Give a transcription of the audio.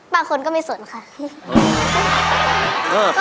บางคนก็ไม่สนค่ะ